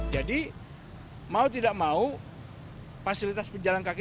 jadi mau tidak mau fasilitas pejalan kaki